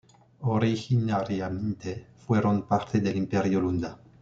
Originariamente fueron parte del Imperio lunda.